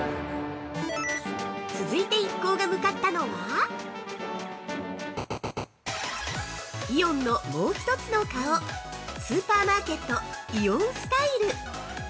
◆続いて一行が向かったのはイオンのもう一つの顔スーパーマーケット「イオンスタイル」